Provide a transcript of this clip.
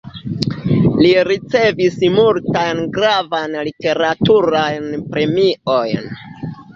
Li ricevis multajn gravajn literaturajn premiojn.